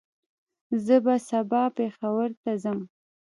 زه به سبا پېښور ته ځم